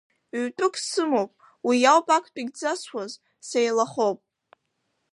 Ҩтәык сымоуп, уи ауп актәигьы дзасуаз, сеилахоуп.